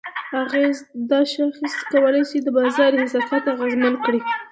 اغېز: دا شاخص کولی شي د بازار احساسات اغیزمن کړي؛